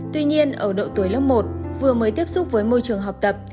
tuy nhiên ở độ tuổi lớp một vừa mới tiếp xúc với môi trường học tập